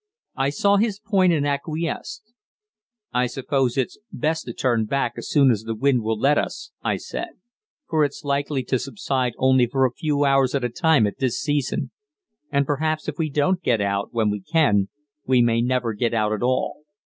I saw his point and acquiesced. "I suppose it's best to turn back as soon as the wind will let us," I said; "for it's likely to subside only for a few hours at a time at this season, and perhaps if we don't get out when we can, we may never get out at all.